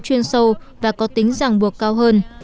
chuyên sâu và có tính giảng buộc cao hơn